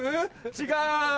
違う。